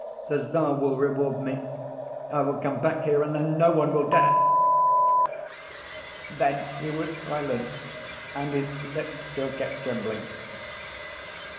The Tsar will reward me, I will come back here and then no one will dare—' Then he was silent and his lips still kept trembling.